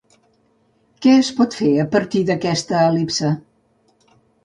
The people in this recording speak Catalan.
Què es pot fer a partir d'aquesta el·lipse?